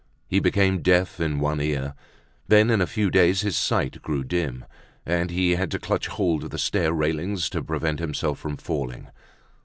He became deaf in one ear. Then in a few days his sight grew dim, and he had to clutch hold of the stair railings to prevent himself from falling.